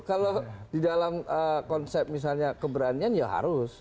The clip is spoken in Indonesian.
kalau di dalam konsep misalnya keberanian ya harus